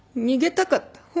逃げたかった。